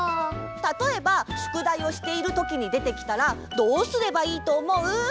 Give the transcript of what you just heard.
たとえばしゅくだいをしているときにでてきたらどうすればいいとおもう？